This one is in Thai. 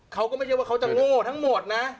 เขาก็ไม่ใช่ว่าเขาจะโง่ทั้งหมดนะ